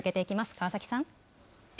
川崎さん。